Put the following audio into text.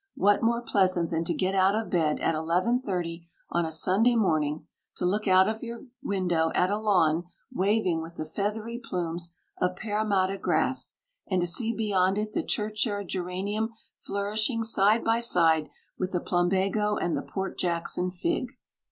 What more pleasant than to get out of bed at 11.30 on a Sunday morning; to look out of your window at a lawn waving with the feathery plumes of Parramatta grass, and to see beyond it the churchyard geranium flourishing side by side with the plumbago and the Port Jackson fig?